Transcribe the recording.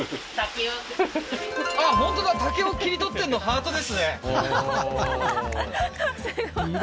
あっ本当だ竹を切り取ってんのハートですねははははっ